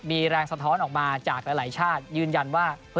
มีแรงสะท้อนออกมาจากหลายชาติยืนยันว่า